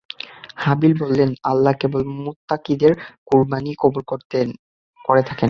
হাবীল বললেন, আল্লাহ কেবল মুত্তাকীদের কুরবানী-ই কবূল করে থাকেন।